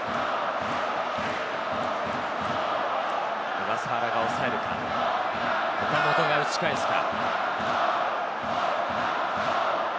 小笠原が抑えるか、岡本が打ち返すか。